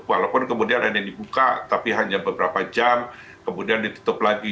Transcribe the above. walaupun kemudian ada yang dibuka tapi hanya beberapa jam kemudian ditutup lagi